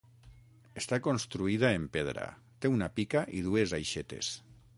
Està construïda en pedra, té una pica i dues aixetes.